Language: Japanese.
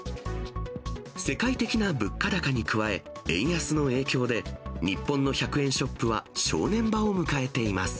世界的な物価高に加え、円安の影響で日本の１００円ショップは正念場を迎えています。